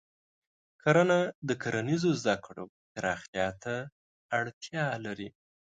کرنه د کرنیزو زده کړو پراختیا ته اړتیا لري.